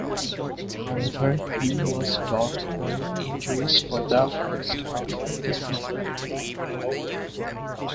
However, he was dogged by injuries for the first half of the season.